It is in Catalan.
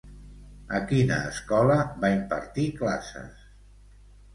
A quina escola va impartir classes?